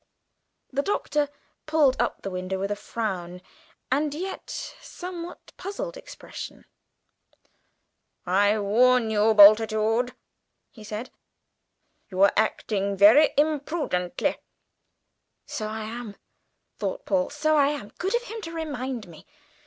The Doctor pulled up the window with a frown, and yet a somewhat puzzled expression. "I warn you, Bultitude," he said, "you are acting very imprudently." "So I am," thought Paul, "so I am. Good of him to remind me.